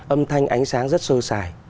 âm thanh ánh sáng rất sơ sài